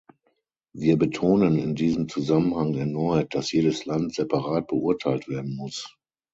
Wir betonen in diesem Zusammenhang erneut, dass jedes Land separat beurteilt werden muss.